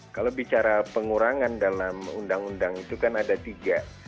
kalau bicara pengurangan dalam undang undang itu kan ada tiga